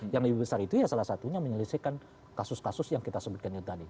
yang lebih besar itu ya salah satunya menyelesaikan kasus kasus yang kita sebutkan itu tadi